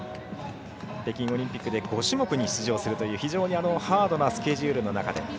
北京オリンピックで５種目に出場するという非常にハードなスケジュールの中で。